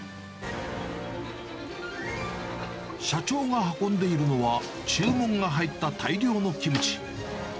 社長が運んでいるのは、注文が入った大量のキムチ。